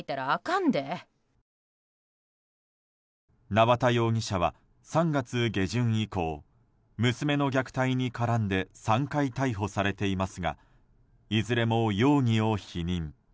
縄田容疑者は３月下旬以降娘の虐待に絡んで３回逮捕されていますがいずれも容疑を否認。